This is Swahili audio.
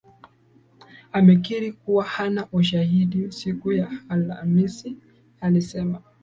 amekiri kuwa hana ushahidi Siku ya alhamisi alisema